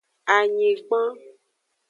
Anyigban.